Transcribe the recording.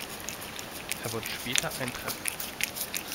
Er wird später eintreffen.